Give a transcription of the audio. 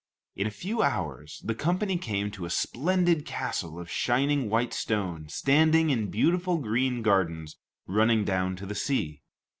In a few hours the company came to a splendid castle of shining white stone, standing in beautiful green gardens running down to the sea.